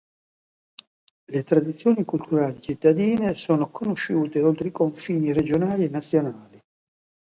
Le tradizioni culturali cittadine sono conosciute oltre i confini regionali e nazionali.